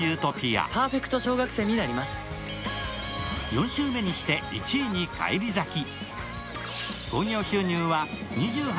４週目にして１位に返り咲き。